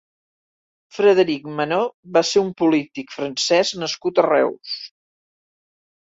Frederic Manaut va ser un polític francès nascut a Reus.